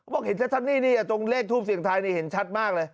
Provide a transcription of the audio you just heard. บอกเห็นชัดนี่ตรงเลขทูปเสียงทายนี่เห็นชัดมากเลย